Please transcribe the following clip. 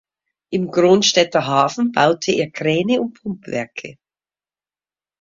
Im Kronstädter Hafen baute er Kräne und Pumpwerke.